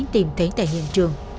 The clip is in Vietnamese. tìm thấy tại hiện trường